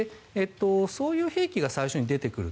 そういう兵器が最初に出てくる。